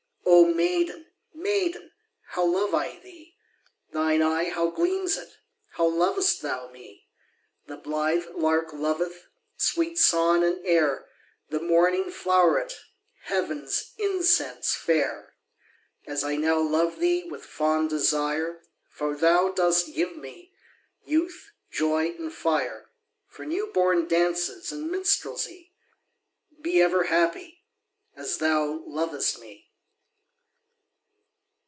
Oh maiden, maiden, How love I thee! Thine eye, how gleams it! How lov'st thou me! The blithe lark loveth Sweet song and air, The morning flow'ret Heav'n's incense fair, As I now love thee With fond desire, For thou dost give me Youth, joy, and fire, For new born dances And minstrelsy. Be ever happy, As thou lov'st me!